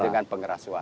dengan penggeras suara